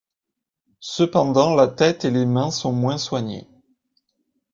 Cependant la tête et les mains sont moins soignées.